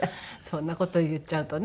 そんな事言っちゃうとね